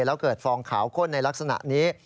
แล้วเกิดฟองขาวข้นในลักษณะนี้